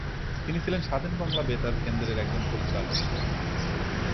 তিনি ছিলেন স্বাধীন বাংলা বেতার কেন্দ্রের একজন পরিচালক।